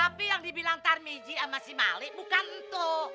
tapi yang dibilang tarmizi sama si malik bukan tuh